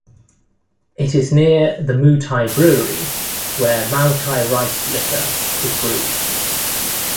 It is near the Moutai brewery, where Maotai rice liquor is brewed.